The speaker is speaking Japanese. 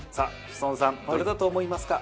志尊さんどれだと思いますか？